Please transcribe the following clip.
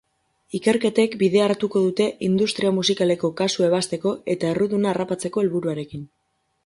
Ikerketek bidea hartuko dute industria musikaleko kasua ebazteko eta erruduna harrapatzeko helburuarekin.